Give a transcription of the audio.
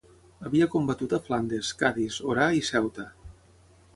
Havia combatut a Flandes, Cadis, Orà i Ceuta.